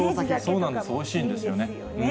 おいしいんですよね。